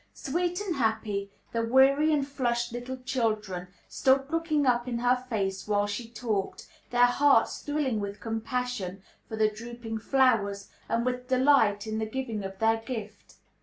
Sweet and happy, the weary and flushed little children stood looking up in her face while she talked, their hearts thrilling with compassion for the drooping flowers and with delight in the giving of their gift.